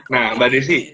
nah mbak desy